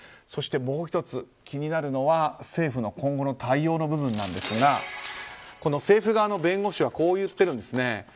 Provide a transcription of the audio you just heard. そして、もう１つ気になるのは政府の今後の対応の部分ですが政府側の弁護士はこう言っているんです。